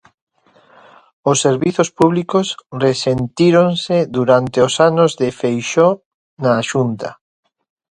Os servizos públicos resentíronse durante os anos de Feixóo na Xunta.